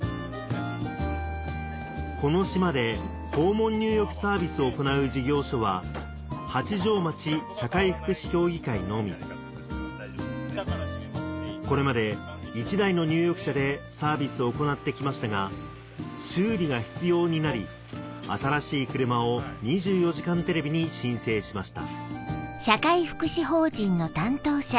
この島で訪問入浴サービスを行う事業所は八丈町社会福祉協議会のみこれまで１台の入浴車でサービスを行ってきましたが修理が必要になり新しい車を『２４時間テレビ』に申請しました